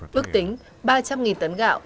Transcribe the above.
bước tính ba trăm linh tấn gạo